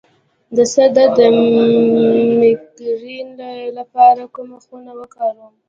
د سر درد د میګرین لپاره کومه خونه وکاروم؟